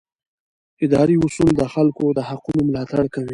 اداري اصول د خلکو د حقونو ملاتړ کوي.